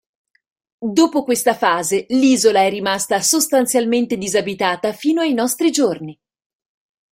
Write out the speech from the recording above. Dopo questa fase l'isola è rimasta sostanzialmente disabitata fino ai nostri giorni.